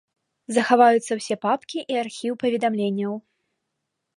Захаваюцца ўсе папкі і архіў паведамленняў.